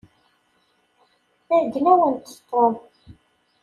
Iɛeyyen-awent Tom.